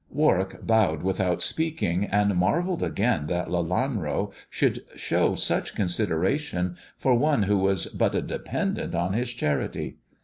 Warwick bowed without speaking, and marvelled again that Lelanro should show such consideration for one who was but a dependent on his charity.